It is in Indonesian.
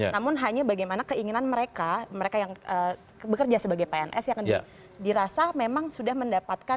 namun hanya bagaimana keinginan mereka mereka yang bekerja sebagai pns yang dirasa memang sudah mendapatkan